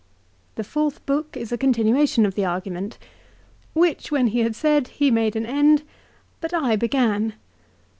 The fourth book is a continuation of the argument. " Which when he had said he (made) an end. But I (began)."